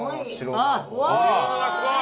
ボリュームがすごい！